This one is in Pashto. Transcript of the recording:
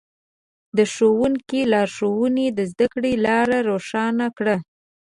د ښوونکي لارښوونې د زده کړې لاره روښانه کړه.